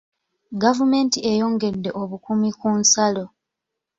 Gavumenti eyongedde obukuumi ku nsalo.